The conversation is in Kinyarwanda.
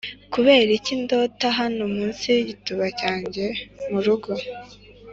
kuberiki ndota hano munsi yigituba cyanjye murugo,